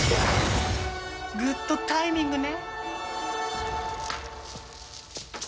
グッドタイミングね！